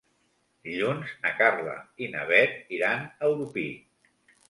Dilluns na Carla i na Bet iran a Orpí.